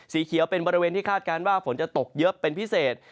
สีเขียวเป็นบริเวณที่คาดการณ์ว่าฝนจะตกเยอะเป็นพิเศษ